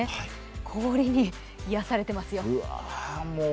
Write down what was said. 氷に癒やされていますよ。